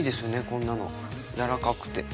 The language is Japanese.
こんなの柔らかくて。